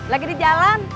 lagi di jalan